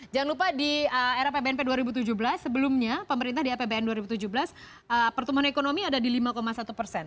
jangan lupa di era pbnp dua ribu tujuh belas sebelumnya pemerintah di apbn dua ribu tujuh belas pertumbuhan ekonomi ada di lima satu persen